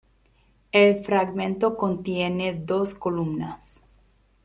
El fragmento contiene dos columnas.